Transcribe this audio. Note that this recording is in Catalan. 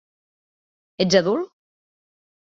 Ets adult?